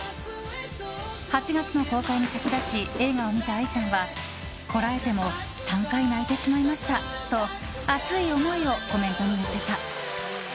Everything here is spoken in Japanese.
８月の公開に先立ち映画を見たＡＩさんはこらえても３回泣いてしまいましたと熱い思いをコメントに寄せた。